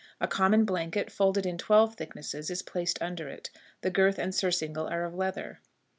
A common blanket, folded in twelve thicknesses, is placed under it. The girth and surcingle are of leather.